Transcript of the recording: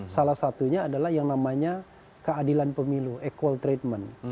salah satunya adalah yang namanya keadilan pemilu equal treatment